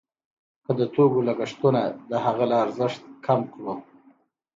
که د توکو لګښتونه د هغه له ارزښت کم کړو